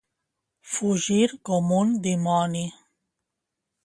Fugir com un dimoni.